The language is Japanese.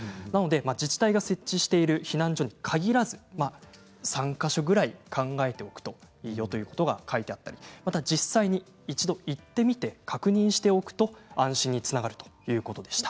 自治体が設置している避難所に限らず３か所ぐらい考えておくといいよということが書いてあったり実際に一度行ってみて確認しておくと安心につながるということでした。